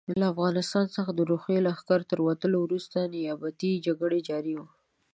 له افغانستان څخه د روسي لښکرو تر وتلو وروسته نیابتي جګړه جاري وه.